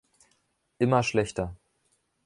Immer schlechter